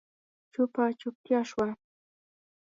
چوپه چوپتيا شوه.